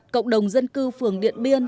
cộng đồng dân cư phường điện biên